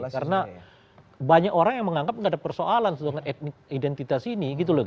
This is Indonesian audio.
karena banyak orang yang menganggap tidak ada persoalan dengan identitas ini